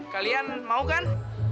kalian mau kan